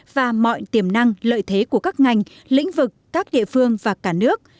và mọi tiềm năng lợi thế của các ngành lĩnh vực các địa phương và cả nước